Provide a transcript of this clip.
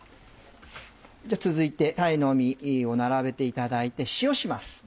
続いて鯛の身を並べていただいて塩します。